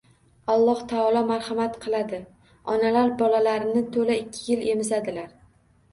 Alloh taolo marhamat qiladi: “Onalar bolalarini to‘la ikki yil emizadilar”.